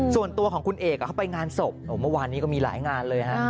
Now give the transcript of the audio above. ส่วนตัวของคุณเอกเขาไปงานศพเมื่อวานนี้ก็มีหลายงานเลยฮะ